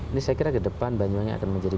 ini saya kira ke depan banyak banyak akan menjadi